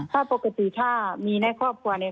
ถ้าปกติถ้ามีในครอบครัวเนี่ย